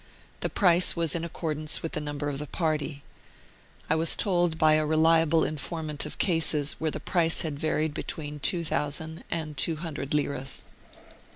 The price was in accordance with the number of the party; I was told by a reliable informant of cases where the price had varied between 2,000 and 200 liras.